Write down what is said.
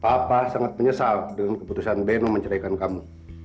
papa sangat menyesal dengan keputusan beno menceraikan kamu